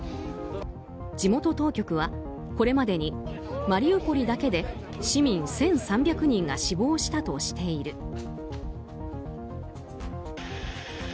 地元当局はこれまでにマリウポリだけで市民１３００人が死亡したとしている。